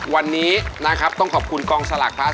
วันนี้นะครับต้องขอบคุณกองสลากพลัส